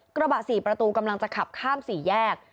กระบะ๔ประตูกำลังจะขับข้ามสี่แยก